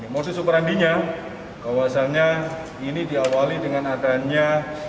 morsi superandinya kawasannya ini diawali dengan adanya